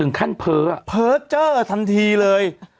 เอาเลย